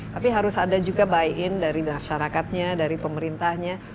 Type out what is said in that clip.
tapi harus ada juga buy in dari masyarakatnya dari pemerintahnya